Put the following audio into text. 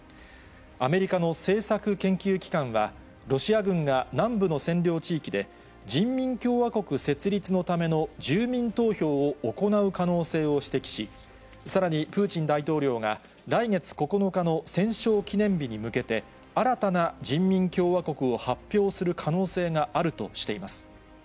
アメリカの政策研究機関は、ロシア軍が南部の占領地域で、人民共和国設立のための住民投票を行う可能性を指摘し、さらに、プーチン大統領が、来月９日の戦勝記念日に向けて、新たな人民共和国を発表する可能性があるとしています。